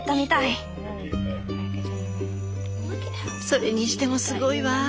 それにしてもすごいわ。